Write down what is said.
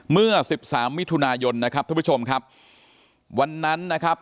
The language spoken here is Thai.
เมื่อสิบสามมิถุนายนนะครับท่านผู้ชมครับวันนั้นนะครับ